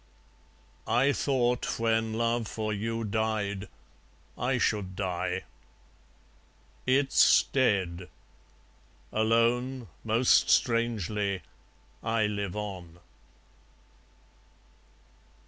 I thought when love for you died, I should die. It's dead. Alone, most strangely, I live on.